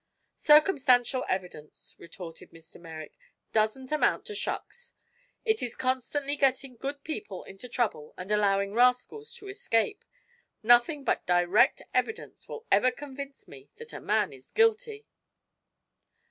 "Circumstantial evidence," retorted Mr. Merrick, "doesn't amount to shucks! It is constantly getting good people into trouble and allowing rascals to escape. Nothing but direct evidence will ever convince me that a man is guilty."